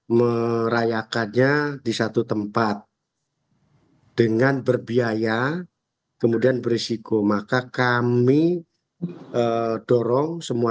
merayakannya di satu tempat dengan berbiaya kemudian berisiko maka kami dorong semua